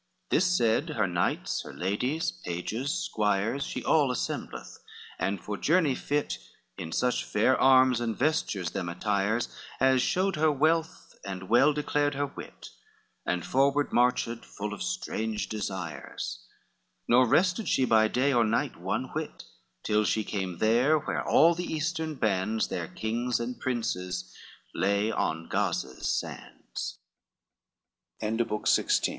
LXXIV This said, her knights, her ladies, pages, squires She all assembleth, and for journey fit In such fair arms and vestures them attires As showed her wealth, and well declared her wit; And forward marched, full of strange desires, Nor rested she by day or night one whit, Till she came there, where all the eastern bands, Their kings and princes, lay on Gaza's sand